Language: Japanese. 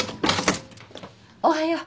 おはよう。